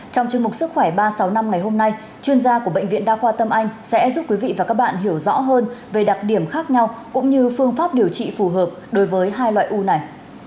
trong chương mục sức khỏe ba trăm sáu mươi năm ngày hôm nay chuyên gia của bệnh viện đa khoa tâm anh sẽ giúp quý vị và các bạn hiểu rõ hơn về đặc điểm khác nhau cũng như phương pháp điều trị phù hợp đối với hai loại u này